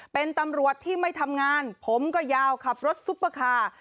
เป็นตำรวจที่ไม่ทำงานผมก็ยาวขับรถซุปเปอร์คาร์